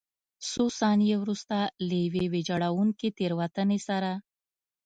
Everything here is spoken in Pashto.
څو ثانیې وروسته له یوې ویجاړوونکې تېروتنې سره.